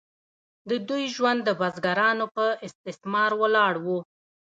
د دوی ژوند د بزګرانو په استثمار ولاړ و.